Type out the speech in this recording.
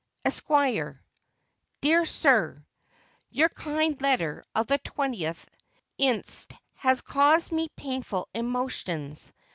ESQ. Dear Sir: Your kind letter of the 20th inst. has caused me painful emotions.